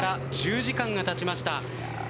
開始から１０時間がたちました。